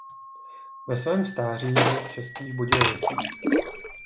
Ve svém stáří žil v Českých Budějovicích.